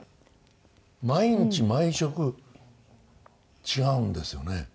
毎日毎食違うんですよね。